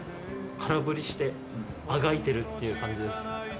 空振りしてあがいてるっていう感じです。